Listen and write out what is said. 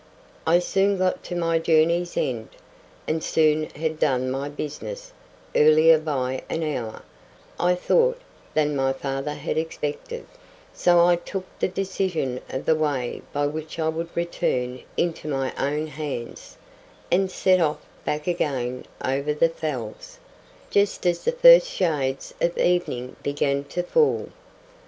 I soon got to my journey's end, and soon had done my business; earlier by an hour, I thought, than my father had expected, so I took the decision of the way by which I would return into my own hands, and set off back again over the Fells, just as the first shades of evening began to fall.